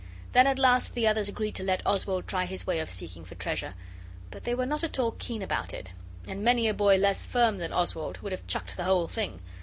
Then at last the others agreed to let Oswald try his way of seeking for treasure, but they were not at all keen about it, and many a boy less firm than Oswald would have chucked the whole thing.